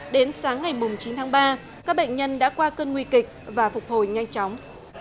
đến sáng ngày chín tháng ba các bệnh nhân đã qua cơn nguy kịch và phục hồi nhanh chóng